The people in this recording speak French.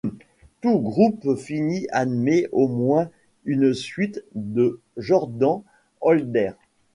Tout groupe fini admet au moins une suite de Jordan-Hölder.